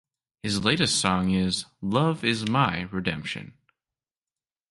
His latest song is "Love is My Redemption".